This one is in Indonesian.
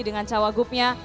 dengan cawagup ini